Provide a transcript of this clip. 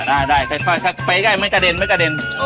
อ้าได้ไปค่อยไม่กระเด็น